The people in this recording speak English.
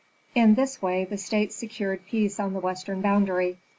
In this way the state secured peace on the western boundary.